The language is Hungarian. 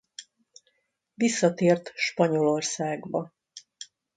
Visszatért Spanyolországba.